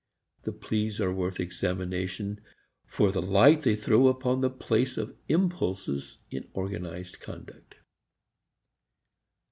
The pleas are worth examination for the light they throw upon the place of impulses in organized conduct.